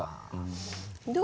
どう？